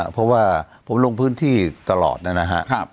เพราะว่าผมลงพื้นที่ตลอดนะครับ